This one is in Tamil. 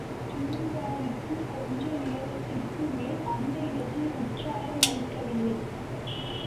ஜின்காவிற்குக் கொஞ்ச நேரத்திற்குமேல் அந்த இடம் உற்சாகமளிக்கவில்லை.